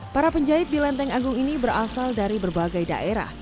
para penjahit di lenteng agung ini berasal dari berbagai daerah